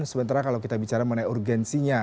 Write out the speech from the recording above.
sementara kalau kita bicara mengenai urgensinya